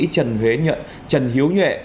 trần huế nhận trần hiếu nhuệ